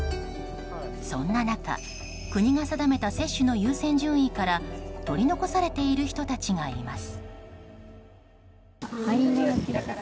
そんな中、国が定めた接種の優先順位から取り残されている人たちがいます。